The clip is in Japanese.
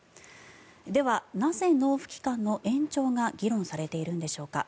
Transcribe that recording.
では、なぜ納付期間の延長が議論されているんでしょうか。